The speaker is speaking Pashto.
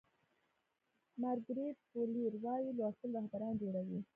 مارګریت فو لیر وایي لوستل رهبران جوړوي.